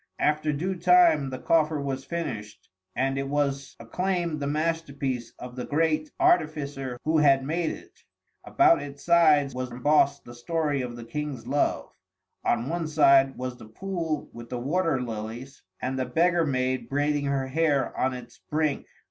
After due time the coffer was finished, and it was acclaimed the masterpiece of the great artificer who had made it. About its sides was embossed the story of the King's love. On one side was the pool with the water lilies and the beggar maid braiding her hair on its brink.